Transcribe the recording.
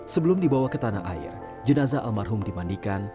sebelum dibawa ke tanah air jenazah almarhum dimandikan